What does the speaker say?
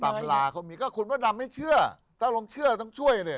เวลาเขามีก็คุณพระดำไม่เชื่อถ้าลองเชื่อต้องช่วยเนี่ย